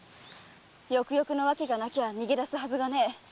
よくよくの訳がなきゃ逃げだすはずがねえ。